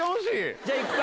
じゃいくか！